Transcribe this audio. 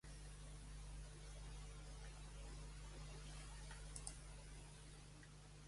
Samuel va tenir càrrecs importants durant el regnat del rei Stephen.